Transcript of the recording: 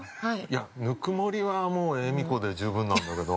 ◆いや、ぬくもりは、もうエミコで十分なんだけど。